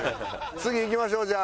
次いきましょうじゃあ。